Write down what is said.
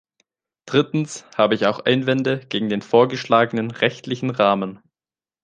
Drittens habe ich auch Einwände gegen den vorgeschlagenen rechtlichen Rahmen.